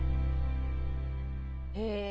へえ！